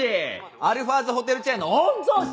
アルファーズホテルチェーンの御曹司！